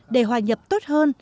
để hòa nhập tốt hơn